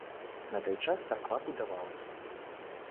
На той час царква будавалася.